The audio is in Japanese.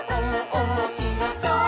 おもしろそう！」